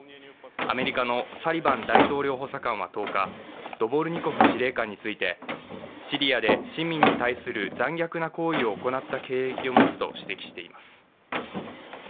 アメリカのサリバン大統領補佐官は１０日、ドボルニコフ司令官について、シリアで市民に対する残虐な行為を行った経歴を持つと指摘しています。